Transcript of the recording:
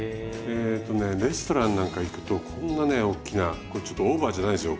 えとねレストランなんか行くとこんなね大きなこれちょっとオーバーじゃないですよ